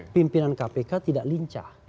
pimpinan kpk tidak lincah